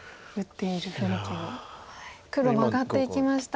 黒マガっていきました。